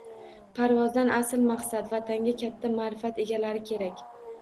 Parvozdan asl maqsad — Vatanga katta ma’rifat egalari kerak: